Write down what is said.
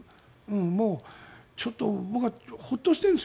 もう、ちょっと僕はホッとしているんです。